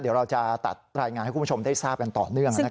เดี๋ยวเราจะตัดรายงานให้คุณผู้ชมได้ทราบกันต่อเนื่อง